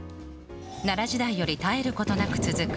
奈良時代より絶えることなく続く